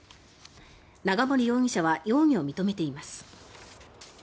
長森容疑者は容疑を認めています。